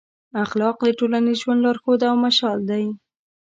اخلاق د ټولنیز ژوند لارښود او مشال دی.